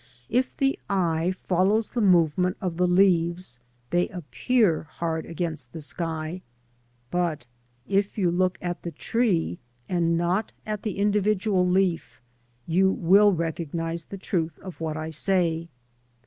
If the eye follows the movement of the leaves they appear hard against the sky, but if you look at the tree, and not at the individual leaf, you will recognise the truth of what I say.